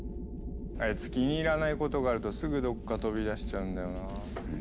あいつ気に入らないことがあるとすぐどっか飛び出しちゃうんだよな。